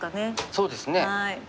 そうですね。